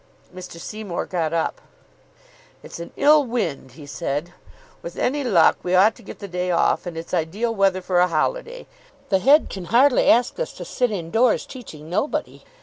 Mr. Seymour got up. "It's an ill wind," he said. "With any luck we ought to get the day off, and it's ideal weather for a holiday. The head can hardly ask us to sit indoors, teaching nobody.